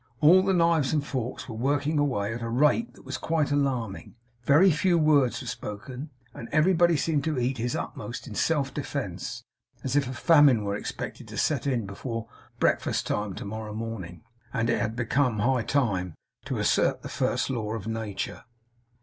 All the knives and forks were working away at a rate that was quite alarming; very few words were spoken; and everybody seemed to eat his utmost in self defence, as if a famine were expected to set in before breakfast time to morrow morning, and it had become high time to assert the first law of nature.